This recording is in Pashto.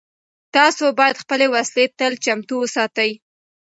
تاسو باید خپلې وسلې تل چمتو وساتئ.